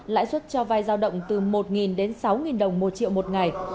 lãi suất cho vai giao động từ một đến sáu đồng một triệu một ngày